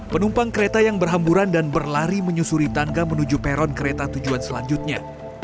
penumpang kereta yang berhamburan dan berlari menyusuri tangga menuju peron kereta tujuan selanjutnya